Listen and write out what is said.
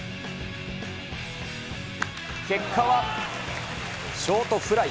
結果はショートフライ。